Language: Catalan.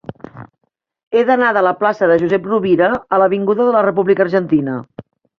He d'anar de la plaça de Josep Rovira a l'avinguda de la República Argentina.